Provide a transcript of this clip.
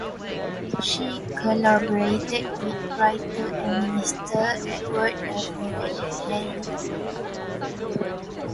She collaborated with writer and minister Edward Everett Hale.